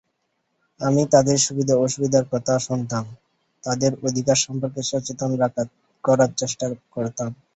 আমি তাঁদের সুবিধা-অসুবিধার কথা শুনতাম, তাঁদের অধিকার সম্পর্কে সচেতন করার চেষ্টা করতাম।